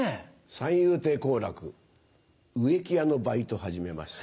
三遊亭好楽植木屋のバイト始めました。